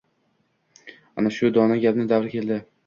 Ana shu dono gapni davri keldi: